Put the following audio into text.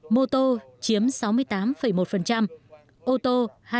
mô tô chiếm sáu mươi tám một ô tô hai mươi chín